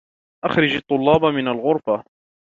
أخرج الطلابَ من الغرفة.